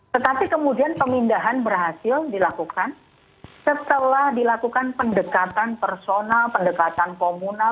tetapi kemudian pemindahan berhasil dilakukan setelah dilakukan pendekatan personal pendekatan komunal